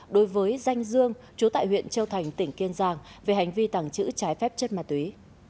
đối với danh dương chú tại huyện châu thành tỉnh kiên giang về hành vi tàng trữ trái phép chất ma túy